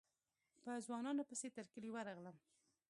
په ځوانانو پسې تر کلي ورغلم.